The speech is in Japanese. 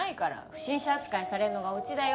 不審者扱いされるのがオチだよ。